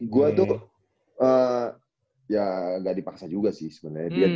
gue tuh ya gak dipaksa juga sih sebenarnya